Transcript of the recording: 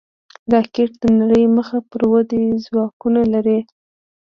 راکټ د نړۍ مخ پر ودې ځواکونه لري